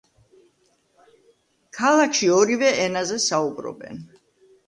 ქალაქში ორივე ენაზე საუბრობენ.